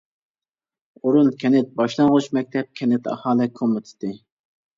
ئورۇن كەنت باشلانغۇچ مەكتەپ، كەنت ئاھالە كومىتېتى.